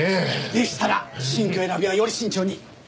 でしたら新居選びはより慎重に！